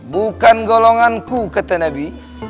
bukan golonganku kata nabi